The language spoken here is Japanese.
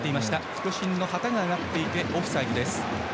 副審の旗が上がってオフサイドです。